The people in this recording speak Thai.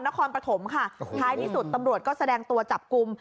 นครปฐมค่ะท้ายที่สุดตำรวจก็แสดงตัวจับกลุ่ม